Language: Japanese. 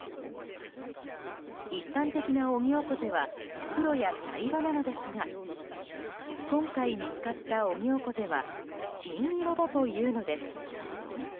一般的なオニオコゼは黒や茶色なのですが今回見つかったオニオコゼは金色だというのです。